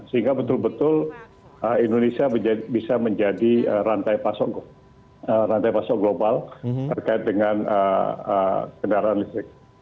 sehingga betul betul indonesia bisa menjadi rantai pasok global terkait dengan kendaraan listrik